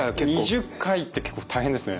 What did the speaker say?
２０回って結構大変ですね。